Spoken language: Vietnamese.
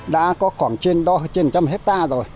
đã có khoảng trên một trăm linh hectare rồi